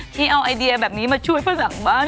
ที่เอาไอเดียแบบนี้มาช่วยฝรั่งบ้าน